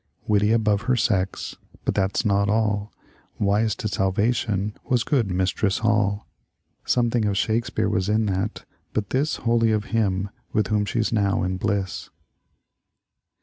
Witty above her seze, bat that 'a not all, Wise to salvation was good Mistris Hall; Something of Shakespeare was in that, but this Wholly of Him with whom she 's now in bliss.